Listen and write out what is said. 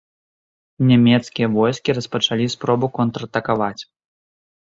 Нямецкія войскі распачалі спробу контратакаваць.